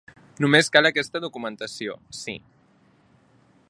Només cal aquesta documentació, sí.